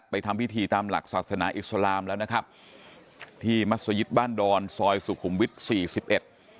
ทำพิธีตามหลักศาสนาอิสลามแล้วนะครับที่มัศยิตบ้านดอนซอยสุขุมวิทย์สี่สิบเอ็ด